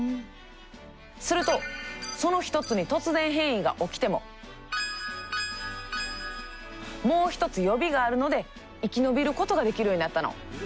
するとその一つに突然変異が起きてももう一つ予備があるので生き延びることができるようになったの。